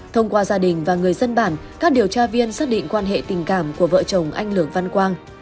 thông qua gia đình và người dân bản các điều tra viên xác định quan hệ tình cảm của vợ chồng anh lường văn quang